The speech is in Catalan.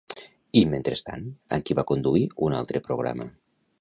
I, mentrestant, amb qui va conduir un altre programa?